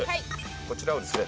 こちらをですね